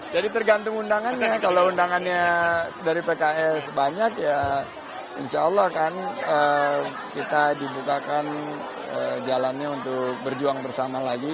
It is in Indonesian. jadi tergantung undangannya kalau undangannya dari pks banyak ya insya allah kan kita dibukakan jalannya untuk berjuang bersama lagi